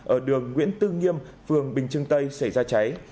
ở đường nguyễn tư nghiêm phường bình trưng tây xảy ra cháy